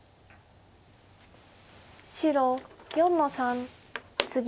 白４の三ツギ。